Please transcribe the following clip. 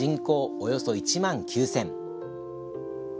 およそ１万９０００。